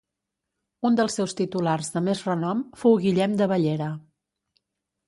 Un dels seus titulars de més renom fou Guillem de Bellera.